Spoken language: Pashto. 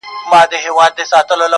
خداى دي كړي خير ياره څه سوي نه وي_